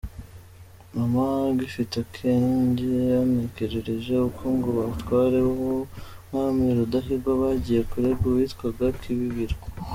Mama agifite akenge yantekerereje uko ngo abatware bu Mwami Rudahigwa bagiye kurega uwitwaga Kibibiro.